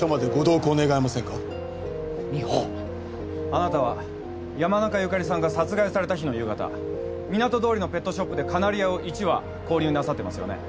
あなたは山中由佳里さんが殺害された日の夕方港通りのペットショップでカナリアを１羽購入なさってますよね？